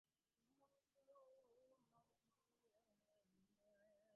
ভালোবাসা কথাটা বিবাহ কথার চেয়ে আরো বেশি জ্যান্ত।